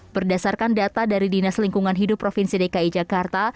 berdasarkan data dari dinas lingkungan hidup provinsi dki jakarta